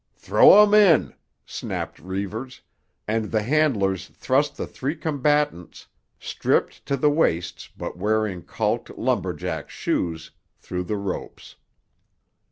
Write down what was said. "Throw 'em in!" snapped Reivers, and the handlers thrust the three combatants, stripped to the waists but wearing calked lumberjack shoes, through the ropes.